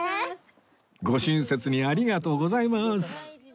ご親切にありがとうございます